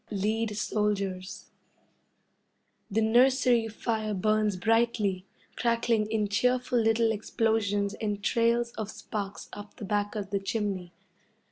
Lead Soldiers The nursery fire burns brightly, crackling in cheerful little explosions and trails of sparks up the back of the chimney.